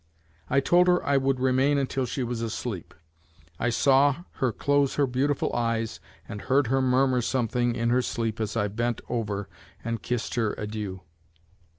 I told her I would remain until she was asleep. I saw her close her beautiful eyes, and heard her murmur something in her sleep as I bent over and kissed her adieu.